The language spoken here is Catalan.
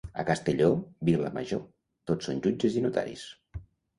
A Castelló, vila major, tot són jutges i notaris.